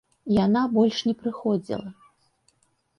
Яна больш не прыходзіла.